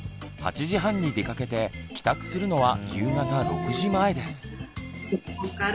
８時半に出かけて帰宅するのは夕方６時前です。